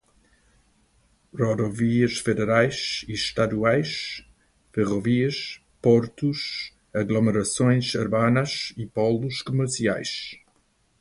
rodovias federais e estaduais, ferrovias, portos, aglomerações urbanas e polos comerciais;